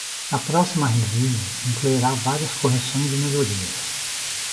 A próxima release incluirá várias correções e melhorias.